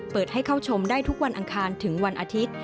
เปิดให้เข้าชมได้ทุกวันอังคารถึงวันอาทิตย์